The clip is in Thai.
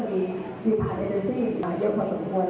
ที่ผ่านอินเตอร์ซี่มาเยอะกว่าสมควร